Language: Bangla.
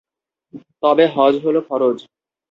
তবে হজ হল ফরজ।